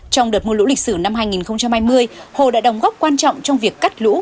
trong đợt mưa lũ lịch sử năm hai nghìn hai mươi hồ đã đóng góp quan trọng trong việc cắt lũ